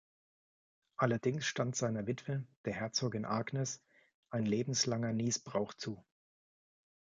Allerdings stand seiner Witwe, der Herzogin Agnes ein lebenslanger Nießbrauch zu.